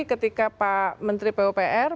ketika pak menteri pupr